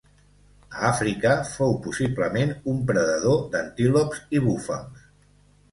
A Àfrica, fou possiblement un predador d'antílops i búfals.